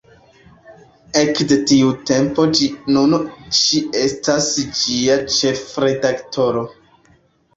Ekde tiu tempo ĝis nun ŝi estas ĝia ĉefredaktoro.